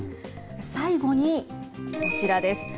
最後にこちらです。